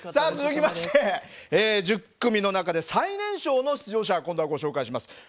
続きまして１０組の中で最年少の出場者を今度はご紹介します。